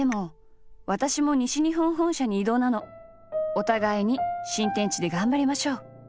お互いに新天地でがんばりましょう。